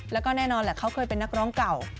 แล้วก็แน่นอนแหละเขาเคยเป็นนักร้องเก่า